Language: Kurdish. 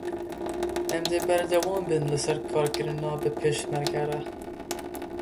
Em dê berdewam bin li ser karkirina bi Pêşmerge re.